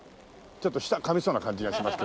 ちょっと舌かみそうな感じがしますけど。